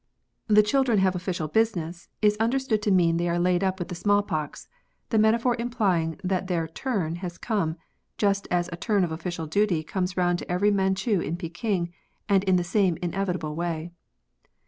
The children SLANG. 65 have official business, is understood to mean they are laid up with the small pox ; the metaphor implying that their turn has come, just as a turn of oflScial duty comes round to every Manchu in Peking, and in the same inevitable way.